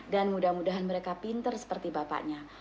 dan mudah mudahan mereka pinter seperti bapaknya